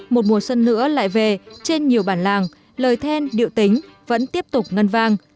một mùa xuân nữa lại về trên nhiều bản làng lời then điệu tính vẫn tiếp tục ngân vang